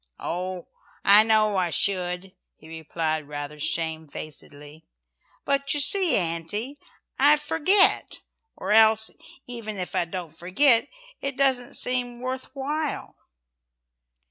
"Oh, I know I should," he replied rather shamefacedly, "but you see, Auntie, I forget, or else even if I don't forget, it doesn't seem worth while."